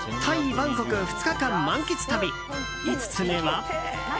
・バンコク２日間満喫旅５つ目は。